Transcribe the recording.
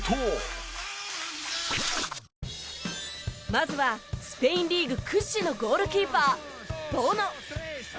まずはスペインリーグ屈指のゴールキーパー、ボノ。